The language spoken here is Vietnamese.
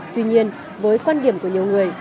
tuy nhiên với quan điểm của nhiều người